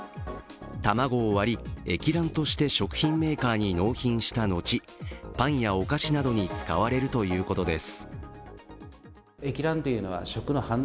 卵を割り、液卵として食品メーカーに納品した後、パンやお菓子などに使われるということです。